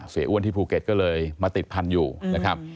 อ้วนที่ภูเก็ตก็เลยมาติดพันธุ์อยู่นะครับ